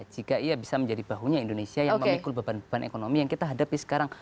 jika ia bisa menjadi bahunya indonesia yang memikul beban beban ekonomi yang kita hadapi sekarang